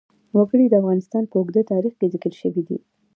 وګړي د افغانستان په اوږده تاریخ کې ذکر شوی دی.